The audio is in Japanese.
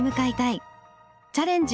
「チャレンジ！